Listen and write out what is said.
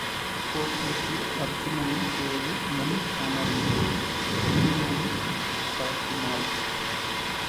போர்க்களத்தில் அருச்சுனனின் தேரில் முன் அமர்ந்து வீடுமனைத் தாக்கினாள்.